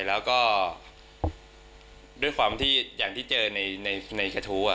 แล้วก็ด้วยความที่อย่างที่เจอในกระทู้